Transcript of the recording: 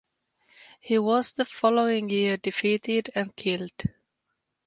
He was the following year defeated and killed.